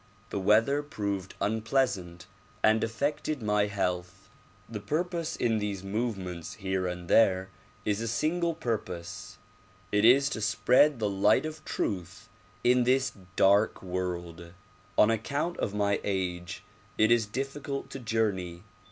The weather proved unpleasant and afi'ected my health. The purpose 178 DISCOURSES DELIVERED IN NEW YORK 179 in these movements here and there is a single purpose ; it is to spread the light of truth in this dark world. On account of my age it is diiificult to journey.